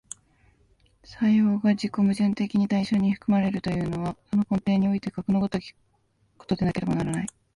作用が自己矛盾的に対象に含まれるというのは、その根底においてかくの如きことでなければならない。